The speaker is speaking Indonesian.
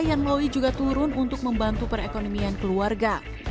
yanloi juga turun untuk membantu perekonomian keluarga